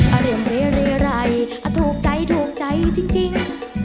เหรียญเหรียรัยถูกใจถูกใจจริง